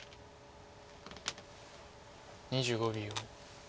２５秒。